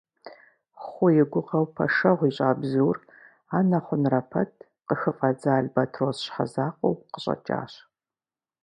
Хъу и гугъэу пэшэгъу ищӀа бзур, анэ хъунрэ пэт, къыхыфӀадза албэтрос щхьэзакъуэу къыщӀэкӀащ.